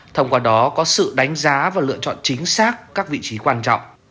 thông qua đó có sự đánh giá và lựa chọn chính xác các vị trí quan trọng